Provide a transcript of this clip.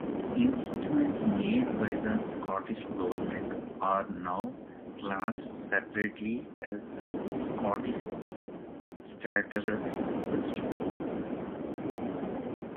Instruments made by the Scottish Government are now classed separately as Scottish statutory instruments.